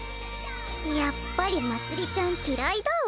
やっぱりまつりちゃん嫌いだお。